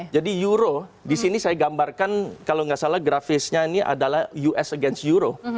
jadi euro di sini saya gambarkan kalau nggak salah grafisnya ini adalah us against euro